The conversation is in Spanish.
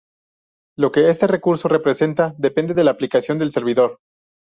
Lo que este recurso representa depende de la aplicación del servidor.